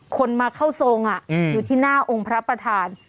คนมาเข้าทรงอยู่ที่หน้าองค์พระประธาน